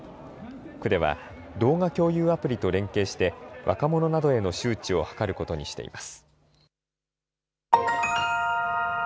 区では動画共有アプリと連携して若者などへの周知を図ることにしています。